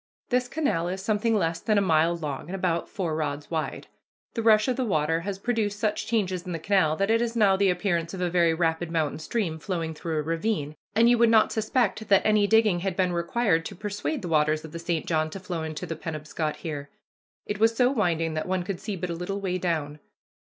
This canal is something less than a mile long and about four rods wide. The rush of the water has produced such changes in the canal that it has now the appearance of a very rapid mountain stream flowing through a ravine, and you would not suspect that any digging had been required to persuade the waters of the St. John to flow into the Penobscot here. It was so winding that one could see but a little way down.